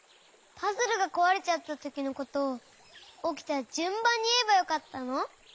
パズルがこわれちゃったときのことをおきたじゅんばんにいえばよかったの？